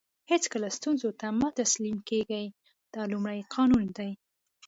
هیڅکله ستونزو ته مه تسلیم کېږئ دا لومړی قانون دی.